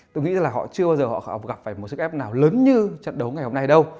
tôi nghĩ là họ chưa bao giờ họ gặp phải một sức ép nào lớn như trận đấu ngày hôm nay đâu